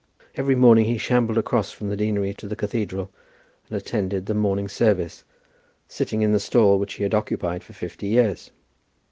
Every morning he shambled across from the deanery to the cathedral, and attended the morning service, sitting in the stall which he had occupied for fifty years.